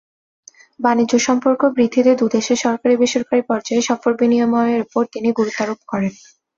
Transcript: বাণিজ্য সম্পর্ক বৃদ্ধিতে দুদেশের সরকারি-বেসরকারি পর্যায়ে সফর বিনিময়ের ওপর তিনি গুরুত্বারোপ করেন।